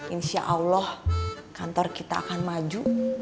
insyaallah kantor kita akan maju